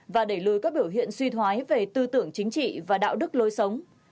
và đẩy lùi các biểu hiện suy thoái về tư tưởng chính trị và đạo đức lối sống